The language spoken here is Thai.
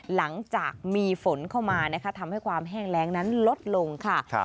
หลังจากมีฝนเข้ามานะคะทำให้ความแห้งแรงนั้นลดลงค่ะ